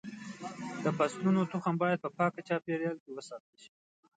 د فصلونو تخم باید په پاک چاپېریال کې وساتل شي.